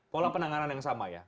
pola penanganan yang sama ya